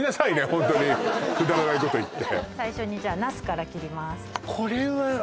ホントにくだらないこと言って最初にじゃあナスから切ります